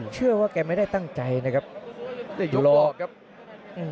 เชื่อว่าแกไม่ได้ตั้งใจนะครับเดี๋ยวยกหลอกครับอืม